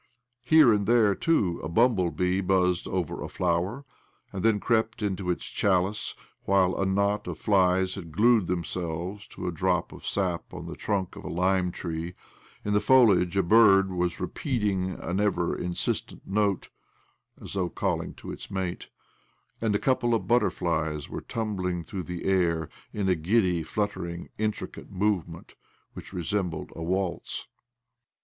Here and there, too, a bumble bee buzzed over a flower, and then crept into its chalice, while a knot of flies had glued themselves to a drop of sap on the trunk of a lime tree, in the foliage a bird was repeating an ever insistent note (as though calling to its mate), and a couple of butterflies were tumbling through the air in a giddy, ^fluttering, intricate move ment which resembled a waltz.